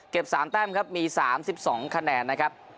เก็บสามแต้มครับมีสามสิบสองคะแนนนะครับ